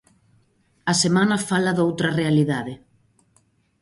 A semana fala doutra realidade.